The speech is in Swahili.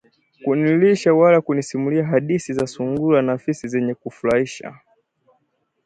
kunilisha wala kunisimulia hadithi za sungura na fisi zenye kufurahisha